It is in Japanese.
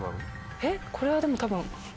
えっこれはでも。